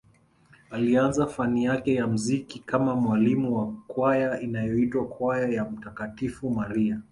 Alianza fani yake ya muziki kama mwalimu wa kwaya inayoitwa kwaya ya mtakatifu Maria